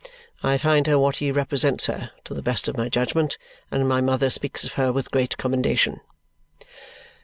I find her what he represents her, to the best of my judgment; and my mother speaks of her with great commendation."